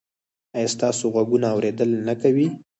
ایا ستاسو غوږونه اوریدل نه کوي؟